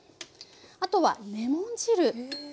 あとはレモン汁。